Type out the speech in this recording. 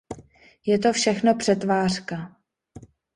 Je to všechno přetvářka.